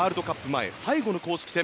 前最後の公式戦。